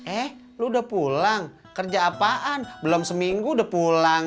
eh lo udah pulang kerja apaan belum seminggu udah pulang